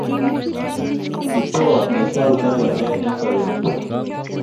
kipoa naitaut akenge eng sapet nyuu